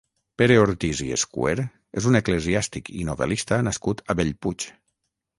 Pere Ortís i Escuer és un eclesiàstic i novel·lista nascut a Bellpuig.